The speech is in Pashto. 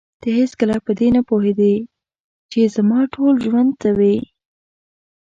ته هېڅکله په دې نه پوهېدې چې زما ټول ژوند ته وې.